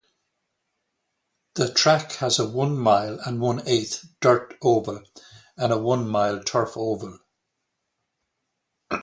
The track has a one-mile and one-eighth dirt oval and a one-mile turf oval.